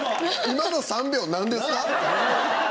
今の３秒なんですか？